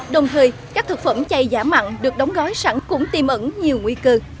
đồng thời các thực phẩm chay giả mặn được đóng gói sẵn cũng tìm ẩn nhiều nguy cơ